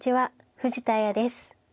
藤田綾です。